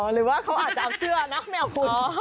หรือว่าเขาอาจจะเอาเสื้อนะไม่เอาคุณ